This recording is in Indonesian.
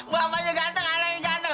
bapaknya ganteng anaknya canteng